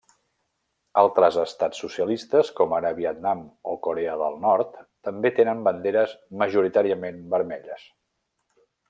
Altres estats socialistes, com ara Vietnam, o Corea del Nord també tenen banderes majoritàriament vermelles.